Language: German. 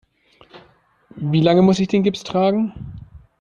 Wie lange muss ich den Gips tragen?